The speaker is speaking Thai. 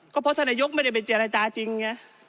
ก็เพราะท่านนายกไม่ได้ไปเจรจาจริงไง